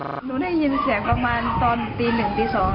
หนูได้ยินเสียงประมาณตอนตี๑ตี๒